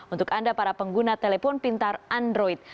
untuk anda para pengguna telepon pintar android